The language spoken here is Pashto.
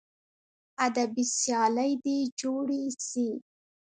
ادبي سیالۍ دې جوړې سي.